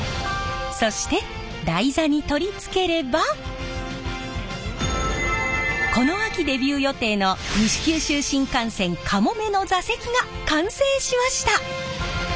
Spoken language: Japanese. そして台座に取り付ければこの秋デビュー予定の西九州新幹線「かもめ」の座席が完成しました。